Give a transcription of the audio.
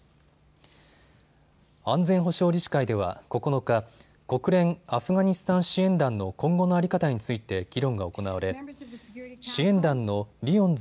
安全保障理事会では９日、国連アフガニスタン支援団の今後の在り方について議論が行われ支援団のリヨンズ